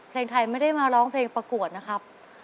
เพลงไทยไม่ได้มาร้องเพลงประกวดนะครับ